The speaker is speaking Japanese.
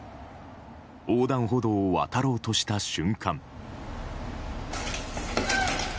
横断歩道を渡ろうとした瞬間。